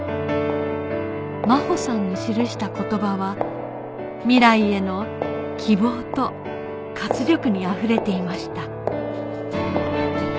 マホさんの記した言葉は未来への希望と活力にあふれていました